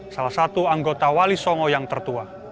salah satu anggota wali songo yang tertua